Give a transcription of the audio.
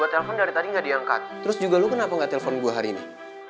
telepon dari tadi gak diangkat terus juga lu kenapa gak telpon gue hari ini